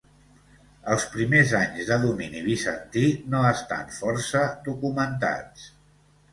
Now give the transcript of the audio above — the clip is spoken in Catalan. Els primers anys de domini bizantí no estan força documentats.